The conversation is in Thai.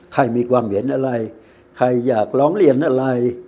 ใครมีความเห็นอะไรใครอยากร้องเรียนอะไร